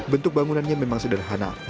bentuk bangunannya memang sederhana